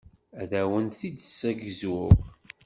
Ad awen-t-id-ssegzuɣ.